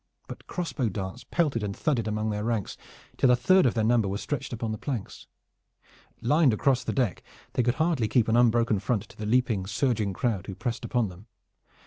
But crossbow darts pelted and thudded among their ranks till a third of their number were stretched upon the planks. Lined across the deck they could hardly keep an unbroken front to the leaping, surging crowd who pressed upon them.